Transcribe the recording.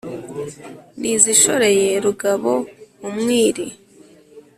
N’izishoreye Rugabo* umwiri*.